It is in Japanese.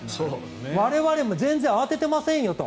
我々、全然慌ててませんよと。